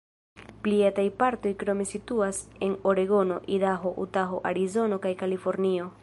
Pli etaj partoj krome situas en Oregono, Idaho, Utaho, Arizono kaj Kalifornio.